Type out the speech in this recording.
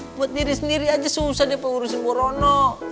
buat diri sendiri aja susah dia pengurusin bu rono